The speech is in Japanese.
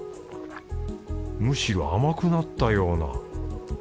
むしろ甘くなったような。